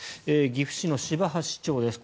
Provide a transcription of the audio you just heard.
岐阜市の柴橋市長です。